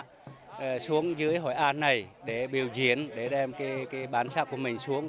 họ xuống dưới hội an này để biểu diễn để đem bản sắc của mình xuống